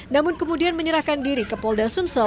namun kemudian menyerahkan diri ke polda sumsel